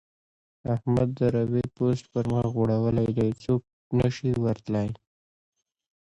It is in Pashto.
احمد د روې پوست پر مخ غوړولی دی؛ څوک نه شي ور تلای.